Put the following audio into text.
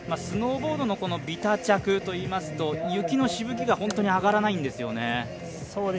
スノーボードのビタ着といいますと、雪のしぶきが上がらないんですよね。